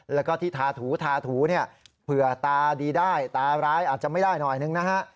แล้วก็ที่ทาถูทาถูเนี่ยเผื่อตาดีได้ตาร้ายอาจจะไม่ได้หน่อยนึงนะฮะ